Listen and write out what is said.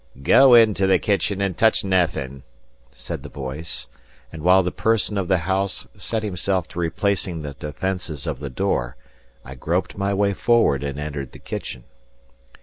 "Go into the kitchen and touch naething," said the voice; and while the person of the house set himself to replacing the defences of the door, I groped my way forward and entered the kitchen.